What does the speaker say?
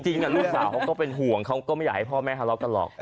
จริงลูกสาวเขาก็เป็นห่วงเขาก็ไม่อยากให้พ่อแม่ทะเลาะกันหรอก